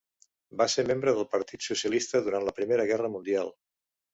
Va ser membre del Partit Socialista durant la Primera Guerra Mundial.